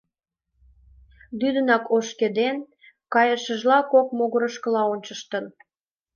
Лӱдынак ошкеден, кайышыжла кок могырышкыла ончыштын.